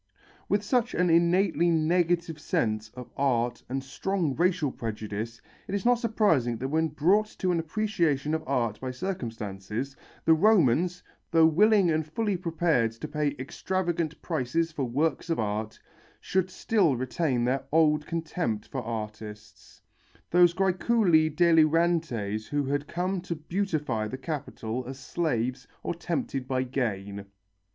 With such an innately negative sense of art and strong racial prejudice, it is not surprising that when brought to an appreciation of art by circumstances, the Romans, though willing and fully prepared to pay extravagant prices for works of art, should still retain their old contempt for artists, those græculi delirantes who had come to beautify the Capital as slaves or tempted by gain.